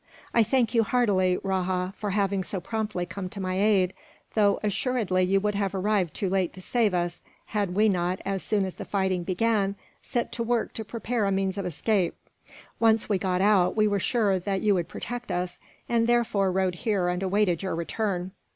"I thank you heartily, Rajah, for having so promptly come to my aid; though assuredly you would have arrived too late to save us, had we not, as soon as the fighting began, set to work to prepare a means of escape. Once we got out, we were sure that you would protect us, and therefore rode here and awaited your return."